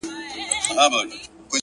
ستا د خــولې خـبري يــې زده كړيدي ـ